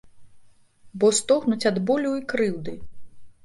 Бо стогнуць ад болю і крыўды.